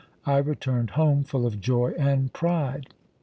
I returned home full of joy and pride.